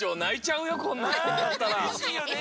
うれしいよね。